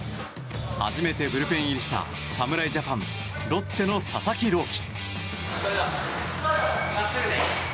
初めてブルペン入りした侍ジャパンロッテの佐々木朗希。